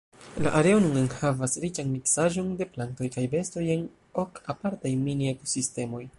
La areo nun enhavas riĉan miksaĵon de plantoj kaj bestoj en ok apartaj mini-ekosistemoj.